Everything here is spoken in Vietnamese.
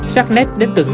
bày tỏ cảm xúc